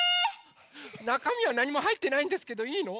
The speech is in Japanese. ⁉なかみはなにもはいってないんですけどいいの？